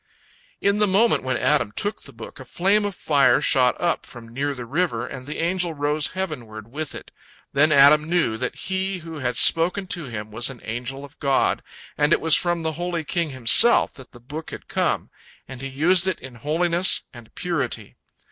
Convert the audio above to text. In the moment when Adam took the book, a flame of fire shot up from near the river, and the angel rose heavenward with it. Then Adam knew that he who had spoken to him was an angel of God, and it was from the Holy King Himself that the book had come, and he used it in holiness and purity.